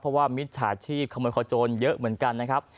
เพราะว่ามิจฉาชีพขโมยขโจรเยอะเหมือนกันนะครับ